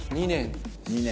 ２年。